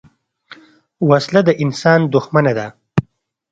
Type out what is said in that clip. وسله د انسان دښمنه ده